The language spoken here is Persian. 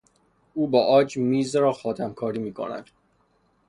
او با عاج میز را خاتمکاری میکند.